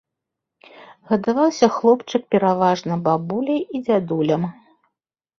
Гадаваўся хлопчык пераважна бабуляй і дзядулям.